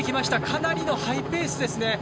かなりのハイペースですね。